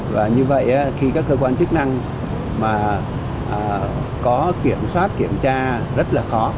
và như vậy khi các cơ quan chức năng mà có kiểm soát kiểm tra rất là khó